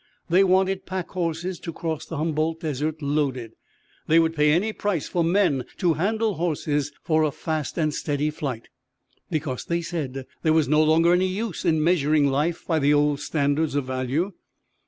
They wanted pack horses to cross the Humboldt Desert loaded. They would pay any price for men to handle horses for a fast and steady flight. Because, they said, there was no longer any use in measuring life by the old standards of value.